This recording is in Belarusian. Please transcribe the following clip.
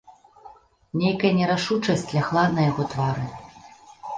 Нейкая нерашучасць лягла на яго твары.